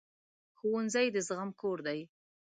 ښوونځی د زغم کور دی